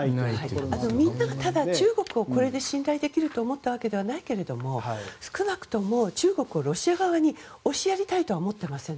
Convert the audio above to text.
あと、みんなが中国をこれで信頼できると思ったわけではないけれども少なくとも中国をロシア側に押しやりたいとは思っていません。